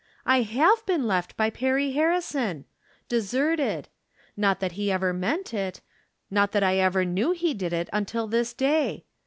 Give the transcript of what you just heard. I have been left by Perry Harrison ! Deserted ! Not that he ever meant it — not that I ever knew he did it until this day.